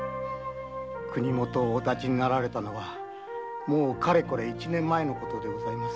国許をお発ちになられたのはかれこれ一年前でございます。